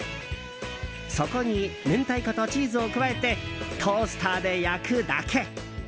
そこに、明太子とチーズを加えてトースターで焼くだけ。